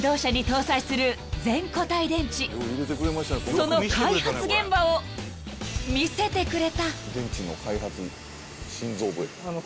［その開発現場を見せてくれた］